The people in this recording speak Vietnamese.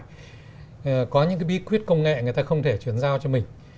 thì có những cái bí quyết công nghệ người ta không thể chuyển giao cho mình